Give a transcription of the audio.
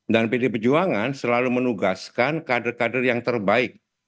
dan pdi perjuangan selalu menugaskan kader kader yang terbaik